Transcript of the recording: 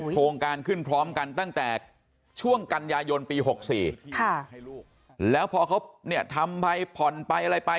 โครงการขึ้นพร้อมกันตั้งแต่ช่วงกันยายนปี๖๔แล้วพอเขาเนี่ยทำไปผ่อนไปอะไรไป